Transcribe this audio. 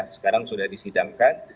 sekarang sudah disidangkan